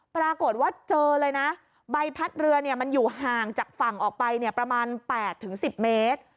ปรากฏว่าเจอเลยนะใบพัดเรือมันอยู่ห่างจากฝั่งออกไปประมาณ๘๑๐เมตร